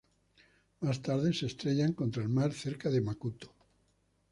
Más tarde se estrellan contra el mar cerca de Macuto.